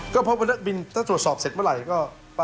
ก็เพราะว่าเนื้อปีนถ้าตรวจสอบเสร็จเมื่อไหร่ก็